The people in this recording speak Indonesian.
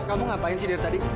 kamu ngapain sih dari tadi